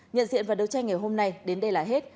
nhận diện và đấu tranh ngày hôm nay đến đây là hết